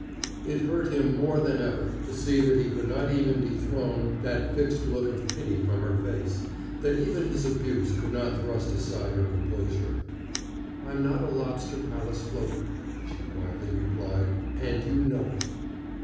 It hurt him more than ever to see that he could not even dethrone that fixed look of pity from her face, that even his abuse could not thrust aside her composure. "I'm not a lobster palace floater," she quietly replied. "And you know it."